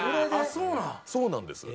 そうなんです。